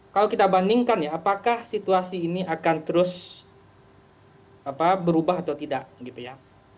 kalau kita bandingkan ya apakah situasi ini akan terus berubah atau tidak gitu ya